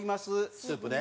スープね。